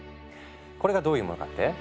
これがどういうものかって？